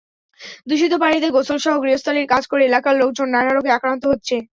দূষিত পানিতে গোসলসহ গৃহস্থালির কাজ করে এলাকার লোকজন নানা রোগে আক্রান্ত হচ্ছে।